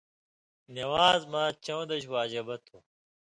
نِوان٘ز مہ چٶن٘دَش واجِبہ تھو: